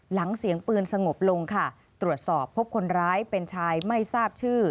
เสียงปืนสงบลงค่ะตรวจสอบพบคนร้ายเป็นชายไม่ทราบชื่อ